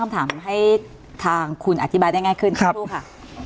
คำถามให้ทางคุณอธิบายได้ง่ายขึ้นครับค่ะ